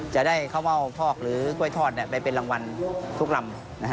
จะได้ข้าวเม่าฟอกหรือกล้วยทอดไปเป็นรางวัลทุกลำ